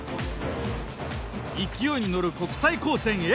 勢いに乗る国際高専Ａ。